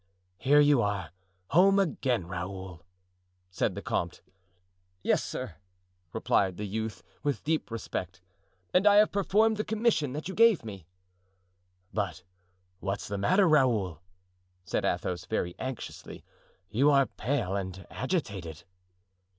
"Here you are, home again, Raoul," said the comte. "Yes, sir," replied the youth, with deep respect, "and I have performed the commission that you gave me." "But what's the matter, Raoul?" said Athos, very anxiously. "You are pale and agitated."